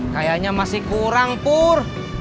kayaknya masih kurang pur